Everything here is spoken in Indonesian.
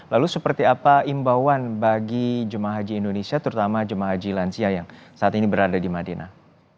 lalu seperti apa imbauan bagi jemaah haji indonesia terutama jemaah haji lansia yang saat ini berada di madinah